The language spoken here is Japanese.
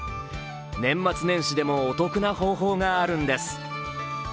年末年始でもお得な方法があるんです。